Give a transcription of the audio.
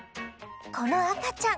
この赤ちゃん。